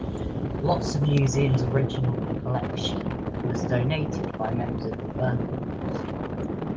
A lot of the museum's original collection was donated by members of Burpee Post.